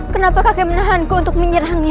kenapa kakek menahanku untuk menyerangnya